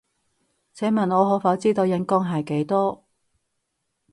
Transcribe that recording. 請問我可否知道人工係幾多？